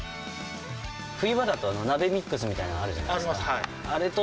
冬場だと、鍋ミックスみたいなのあるじゃないですか。あります。